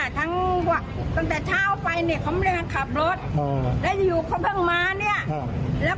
ยังไม่ทันได้คุยอะไรกันเลยไอ้นั่นมันก็ถือปืนมายิงเลย